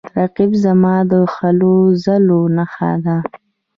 رقیب زما د هلو ځلو نښه ده